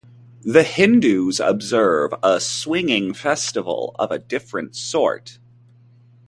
The Hindus observe a swinging festival of a different sort.